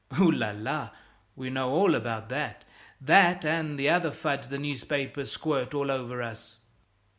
"Oh, la, la! We know all about that! That and the other fudge the newspapers squirt all over us!"